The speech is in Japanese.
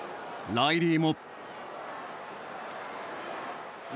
ライリー！